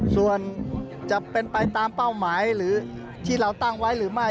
ส่วนจะเป็นไปตามเป้าหมายหรือที่เราตั้งไว้หรือไม่